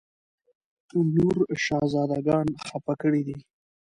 نور شهزاده ګان خپه کړي دي.